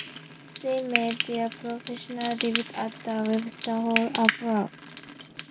They made their professional debut at the Webster Hall, Arbroath.